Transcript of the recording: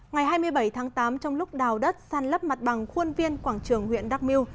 ngày hai mươi bảy tháng tám trong lúc đào đất san lấp mặt bằng khuôn viên quảng trường huyện đắk miêu